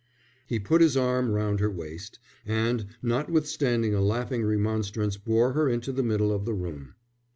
'" He put his arm round her waist, and notwithstanding a laughing remonstrance bore her into the middle of the room.